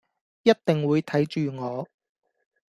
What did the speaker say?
一定會睇住我